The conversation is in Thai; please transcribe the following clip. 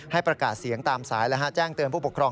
ประกาศเสียงตามสายแจ้งเตือนผู้ปกครอง